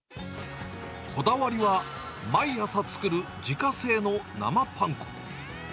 こだわりは、毎朝作る自家製の生パン粉。